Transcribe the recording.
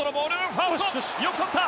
ファーストよくとった。